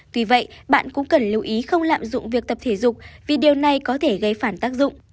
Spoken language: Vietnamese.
tuy vậy bạn cũng cần lưu ý không lạm dụng việc tập thể dục vì điều này có thể gây phản tác dụng